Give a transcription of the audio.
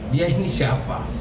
dia ini siapa